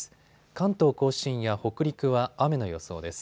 関東甲信や北陸は雨の予想です。